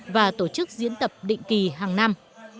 và tổ chức diễn tập định kỳ hàng năm